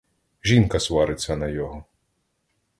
Жінка свариться на його.